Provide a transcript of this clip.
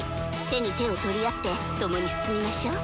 手に手を取り合って共に進みましょう！